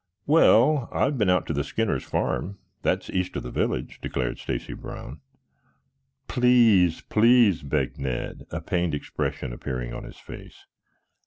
"Well, I have been out to Skinner's farm. That's east of the village," declared Stacy Brown. "Please, please!" begged Ned, a pained expression appearing on his face.